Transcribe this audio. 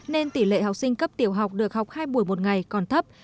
nên tỷ lệ học sinh cấp tiểu học được học hai buổi một ngày còn thấp